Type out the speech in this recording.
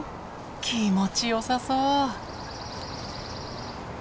気持ちよさそう。